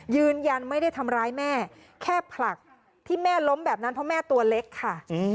ยืนยันไม่ได้ทำร้ายแม่แค่ผลักที่แม่ล้มแบบนั้นเพราะแม่ตัวเล็กค่ะ